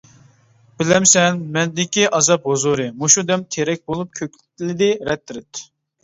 بىلەمسەن، مەندىكى ئازاب ھۇزۇرى، مۇشۇ دەم تېرەك بولۇپ كۆكلىدى رەت-رەت.